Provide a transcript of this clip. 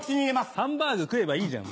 ハンバーグ食えばいいじゃん。